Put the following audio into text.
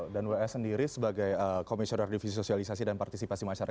dan ws sendiri sebagai komisioner divisi sosialisasi dan partisipasi masyarakat